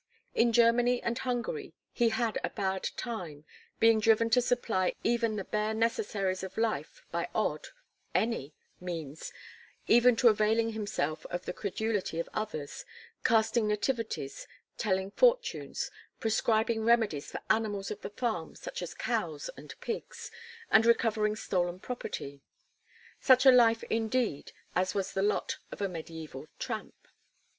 In Germany and Hungary he had a bad time, being driven to supply even the bare necessaries of life by odd any means, even to availing himself of the credulity of others casting nativities, telling fortunes, prescribing remedies for animals of the farm such as cows and pigs, and recovering stolen property; such a life indeed as was the lot of a mediæval "tramp."